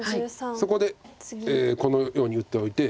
そこでこのように打っておいて。